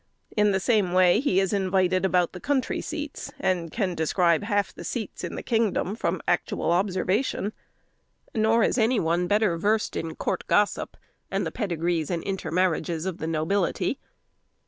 In the same way he is invited about the country seats, and can describe half the seats in the kingdom, from actual observation; nor is any one better versed in court gossip, and the pedigrees and intermarriages of the nobility.